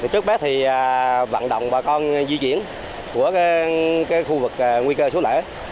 trước bác thì vận động bà con di chuyển của cái khu vực nguy cơ xuống lở